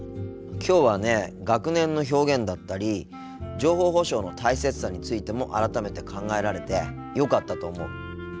きょうはね学年の表現だったり情報保障の大切さについても改めて考えられてよかったと思う。